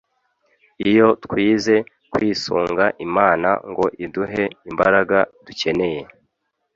iyo twize kwisunga Imana ngo iduhe imbaraga dukeneye.